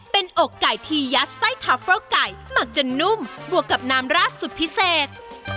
เป็นอกไก่ที่ยัดไส้ทาเฟิลไก่หมักจนนุ่มบวกกับน้ำราดสุดพิเศษ